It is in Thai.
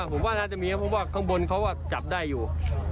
ผมว่าน่าจะมีครับเพราะว่าข้างบนเขาก็จับได้อยู่